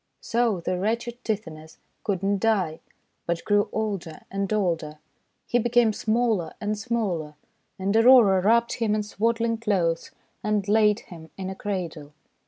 So the wretched Tithonus could not die, but grew older and older. He became smaller and smaller, and Aurora wrapped him in swaddling clothes and laid him in a cradle.